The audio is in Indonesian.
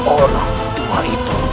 orang tua itu